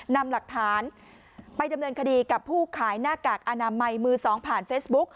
นำหลักฐานไปดำเนินคดีกับผู้ขายหน้ากากอนามัยมือสองผ่านเฟซบุ๊ก